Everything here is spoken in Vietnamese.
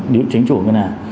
điểm chính chủ ngân hàng